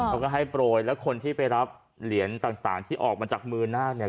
เขาก็ให้โปรยแล้วคนที่ไปรับเหรียญต่างที่ออกมาจากมือนาคเนี่ย